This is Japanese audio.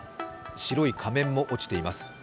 白い仮面も落ちています。